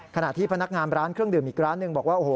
ขณะที่พนักงานร้านเครื่องดื่มอีกร้านหนึ่งบอกว่าโอ้โห